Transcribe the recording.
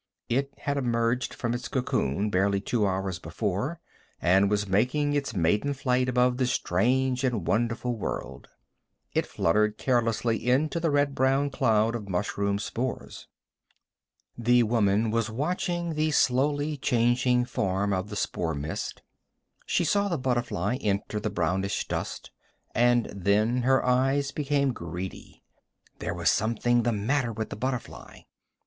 It had emerged from its cocoon barely two hours before, and was making its maiden flight above the strange and wonderful world. It fluttered carelessly into the red brown cloud of mushroom spores. The woman was watching the slowly changing form of the spore mist. She saw the butterfly enter the brownish dust, and then her eyes became greedy. There was something the matter with the butterfly.